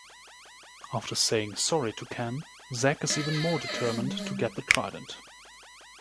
After saying sorry to Cam, Zac is even more determined to get the trident.